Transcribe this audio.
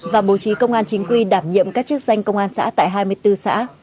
và bố trí công an chính quy đảm nhiệm các chức danh công an xã tại hai mươi bốn xã